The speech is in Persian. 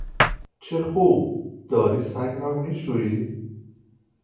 چه خوب! داری سگ را میشوئی.